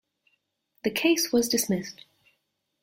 The case was dismissed.